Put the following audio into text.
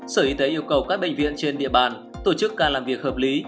sở y tế yêu cầu các bệnh viện trên địa bàn tổ chức ca làm việc hợp lý